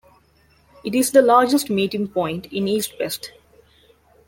It is the largest meeting-point in East-Pest.